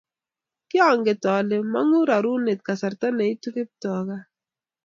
kionget ale mong'u rorunet kasarta neitu Kiptoo gaa